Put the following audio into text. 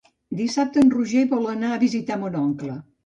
Dissabte en Roger vol anar a visitar mon oncle.